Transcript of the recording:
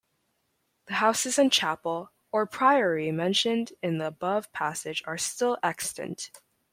The houses and chapel or priory mentioned in the above passage are still extant.